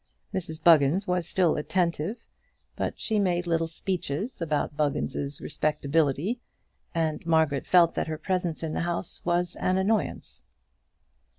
Mrs Buggins was still attentive, but she made little speeches about Buggins' respectability, and Margaret felt that her presence in the house was an annoyance.